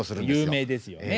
有名ですよね。